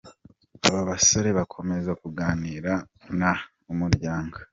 Aba basore bakomeza kuganira na umuryango.